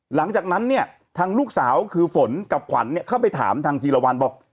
หลังจากนั้นเนี่ยทางลูกสาวคือฝนกับขวัญเนี่ยเข้าไปถามทางจีรวรรณบอก